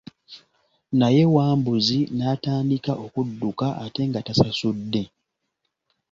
Naye Wambuzi n'atandika okudduka ate nga tasasudde.